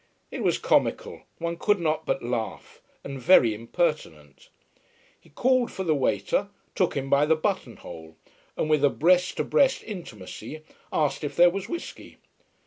It was comical, one could not but laugh: and very impertinent. He called for the waiter, took him by the button hole, and with a breast to breast intimacy asked if there was whisky.